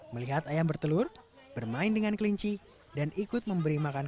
melihat ayam bertelur bermain dengan kelinci dan ikut memberi makan